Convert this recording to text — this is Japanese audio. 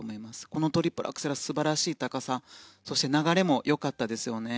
このトリプルアクセルは素晴らしい高さそして流れも良かったですよね。